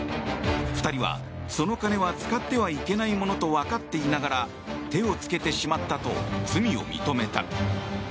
２人はその金は使ってはいけないものと分かっていながら手を付けてしまったと罪を認めた。